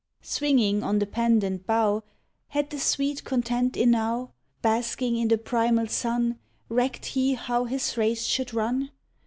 Swinging on the pendent bough Had he sweet content enow? Basking in the primal sun Recked he how his race should run?